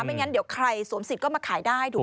ไม่งั้นเดี๋ยวใครสวมสิทธิ์ก็มาขายได้ถูกไหม